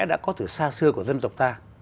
đã có từ xa xưa của dân tộc ta